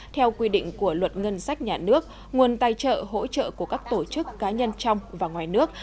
theo quy định của luật ngân sách nhà nước nguồn tài trợ hỗ trợ của các tổ chức cá nhân trong và ngoài nước